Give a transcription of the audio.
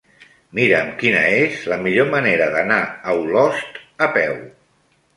Mira'm quina és la millor manera d'anar a Olost a peu.